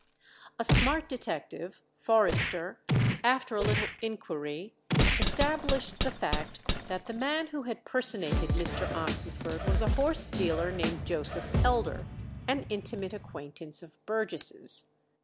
A smart detective, Forrester, after a little inquiry, established the fact that the man who had personated Mr. Oxenford was a horse dealer named Joseph Elder, an intimate acquaintance of Burgess'.